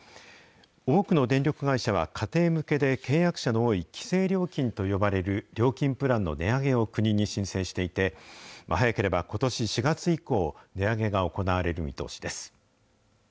多くの電力会社は、家庭向けで契約者の多い規制料金と呼ばれる料金プランの値上げを国に申請していて、早ければことし４月以降、値上げが行われる見通しです。